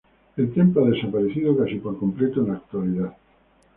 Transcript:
El templo ha desaparecido casi por completo en la actualidad.